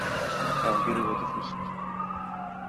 agir vedixwist